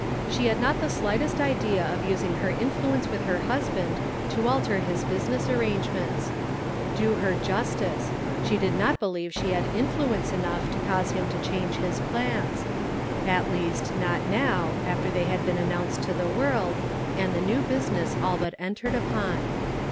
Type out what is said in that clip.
She had not the slightest idea of using her influence with her husband to al ter his business arrangements. Do her justice ; Shirking Responsibility. 445 she did not believe she had influence enough to cause him to change his plans ; at least, not now, after they had been announced to the world, and the new business all but entered upon.